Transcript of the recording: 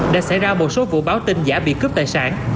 đã xảy ra một số vụ báo tin giả bị cướp tài sản